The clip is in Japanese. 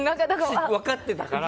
分かってたから。